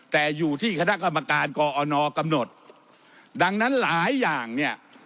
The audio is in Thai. แต่อยู่ที่คณะกรรมการกอนกำหนดดังนั้นหลายอย่างเนี่ย